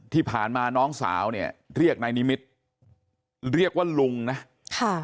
ที่ผ่านมาน้องสาวเนี่ยเรียกนายนิมิตรเรียกว่าลุงนะค่ะ